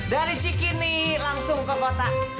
dari cikini langsung ke kota